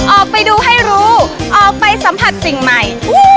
ออกไปดูให้รู้ออกไปสัมผัสสิ่งใหม่